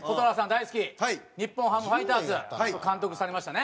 大好き日本ハムファイターズ監督されましたね。